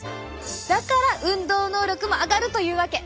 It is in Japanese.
だから運動能力も上がるというわけ。